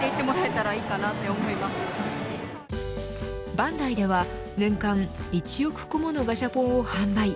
バンダイでは年間１億個ものガシャポンを販売。